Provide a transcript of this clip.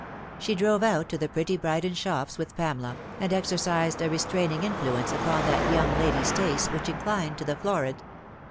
She drove about to the pretty Brighton shops with Pamela, and exercised a restraining influence upon that young lady's taste, which inclined to the florid.